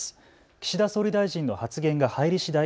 岸田総理大臣の発言が入りしだい